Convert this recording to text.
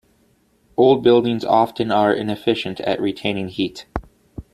Old buildings often are inefficient at retaining heat.